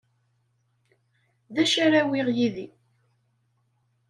D acu ara awiɣ yid-i.